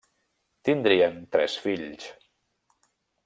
Tindrien tres fills: